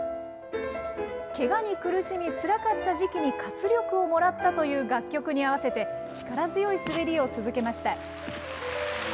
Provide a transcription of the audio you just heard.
けがに苦しみ、つらかった時期に活力をもらったという楽曲に合わせて、力強い滑りを続けました。